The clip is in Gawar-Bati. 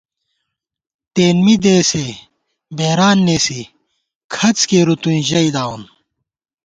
تېن می دېسےبېران نېسی کھڅ کېرُو توئیں ژئیداوون